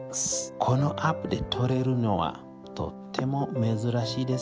このアップで撮れるのはとっても珍しいですよ。